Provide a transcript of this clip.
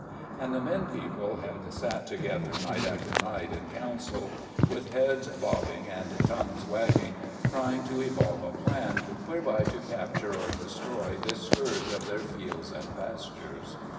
And the men people had sat together night after night in council, with heads bobbing and tongues wagging, trying to evolve a plan whereby to capture or destroy this scourge of their fields and pastures.